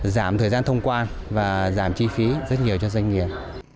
giảm thời gian thông quan và giảm chi phí rất nhiều cho doanh nghiệp